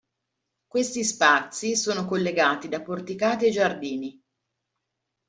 Questi spazi sono collegati da porticati e giardini.